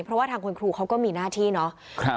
เพราะว่าทางคุณครูเขาก็มีหน้าที่เนาะ